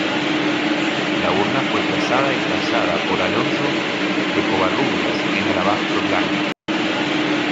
La urna fue trazada y tallada por Alonso de Covarrubias en alabastro blanco.